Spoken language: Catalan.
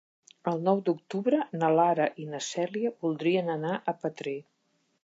El nou d'octubre na Lara i na Cèlia voldrien anar a Petrer.